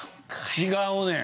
違うねん。